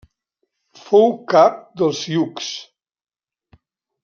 Fou cap dels sioux.